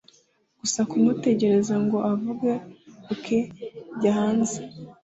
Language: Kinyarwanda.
gusa kumutegereza ngo avuge ok jya hanze